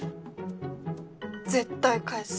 絶対返す。